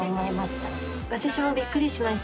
私もびっくりしました。